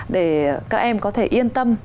để các em có thể yên tâm